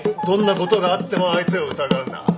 どんなことがあっても相手を疑うな。